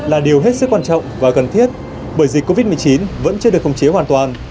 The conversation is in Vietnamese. là điều hết sức quan trọng và cần thiết bởi dịch covid một mươi chín vẫn chưa được khống chế hoàn toàn